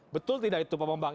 betul tidak itu pak bambang